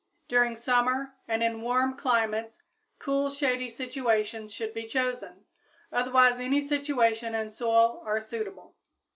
During summer and in warm climates, cool, shady situations should be chosen, otherwise any situation and soil are suitable.